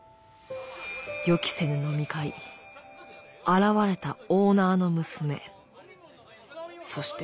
予期せぬ飲み会現れたオーナーの娘そして。